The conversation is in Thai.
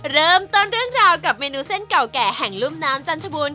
เริ่มต้นเรื่องราวกับเมนูเส้นเก่าแก่แห่งลุ่มน้ำจันทบูรณ